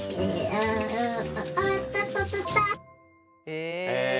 へえ。